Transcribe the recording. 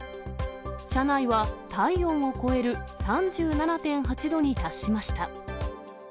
車内は体温を超える３７．８度に達しました。